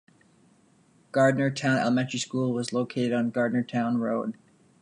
Gardnertown Elementary School was located on Gardnertown Road.